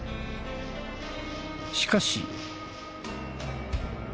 しかし。